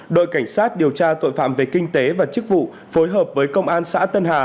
đội cảnh sát điều tra tội phạm về kinh tế và chức vụ phối hợp với công an xã tân hà